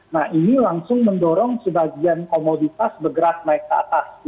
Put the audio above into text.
nah ini langsung mendorong sebagian komoditas bergerak naik ke atas